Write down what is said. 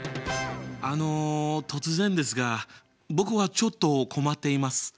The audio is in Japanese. あの突然ですが僕はちょっと困っています。